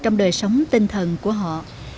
trong đời sống tinh thần của họ